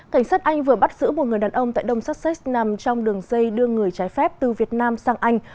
cảnh sát anh vừa bắt giữ một người đàn ông tại đông sussex nằm trong đường dây đưa người trái phép từ việt nam sang anh